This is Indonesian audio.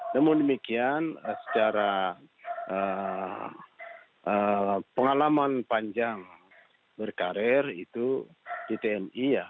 namun demikian secara pengalaman panjang berkarir itu di tmi ya